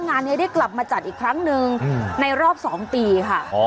งานนี้ได้กลับมาจัดอีกครั้งหนึ่งในรอบ๒ปีค่ะ